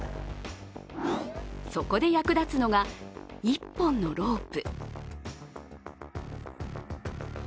そこで役立つのが１本のロープ。